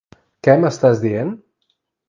Què m'estàs dient?